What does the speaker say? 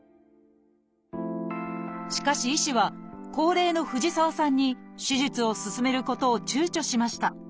しかし医師は高齢の藤沢さんに手術を勧めることを躊躇しました。